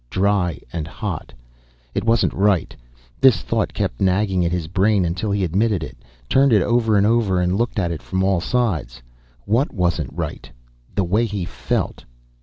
Dry and hot. It wasn't right. This thought kept nagging at his brain until he admitted it. Turned it over and over and looked at it from all sides. What wasn't right? The way he felt.